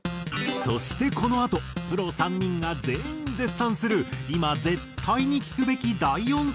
そしてこのあとプロ３人が全員絶賛する今絶対に聴くべき第４世代が。